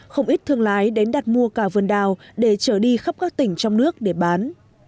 không ít thương lái đến đặt mua cả vườn đào để trở đi khắp các tỉnh trong nước để bán